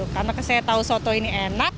karena saya tahu soto ini enak